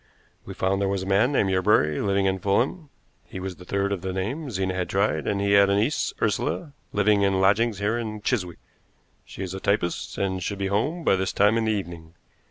We found there was a man named Yerbury living in Fulham; he was the third of the name Zena had tried, and he had a niece, Ursula, living in lodgings here in Chiswick. She is a typist, and should be home by this time in the evening.